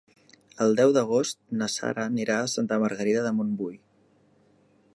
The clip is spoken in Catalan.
El deu d'agost na Sara anirà a Santa Margarida de Montbui.